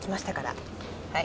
はい。